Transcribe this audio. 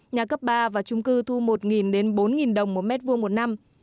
nhà cấp ba và chung cư thu một bốn đồng một m hai một năm